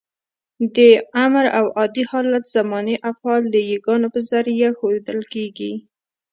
د امر او عادي حالت زماني افعال د يګانو په ذریعه ښوول کېږي.